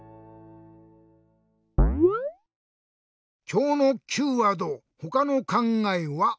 きょうのＱワード「ほかのかんがえは？」。